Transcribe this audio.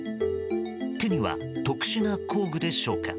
手には特殊な工具でしょうか。